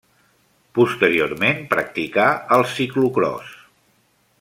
Posteriorment practicà el ciclocròs.